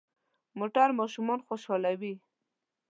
موټر ماشومان خوشحالوي.